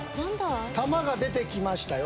球が出て来ましたよ。